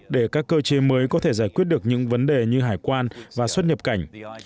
để các cơ chế mới có thể giải quyết được những vấn đề như hải quan và xuất nhập cảnh